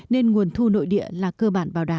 nên nguồn thu nội địa là cơ bản bảo đảm